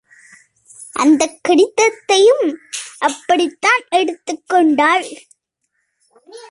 அந்தக் கடிதத்தையும் அப்படித்தான் எடுத்துக்கொண்டாள்.